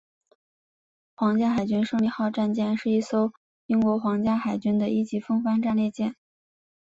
皇家海军胜利号战舰是一艘英国皇家海军的一级风帆战列舰。